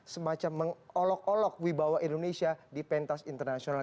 semacam mengolok olok wibawa indonesia di pentas internasional